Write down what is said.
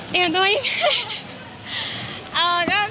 เตรียมตัวยังไง